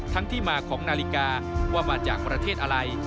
ที่มาของนาฬิกาว่ามาจากประเทศอะไร